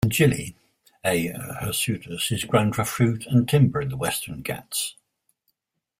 Anjily, "A. hirsutus", is grown for fruit and timber in the Western Ghats.